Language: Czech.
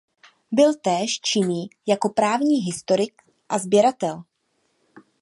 Byl též činný jako právní historik a sběratel.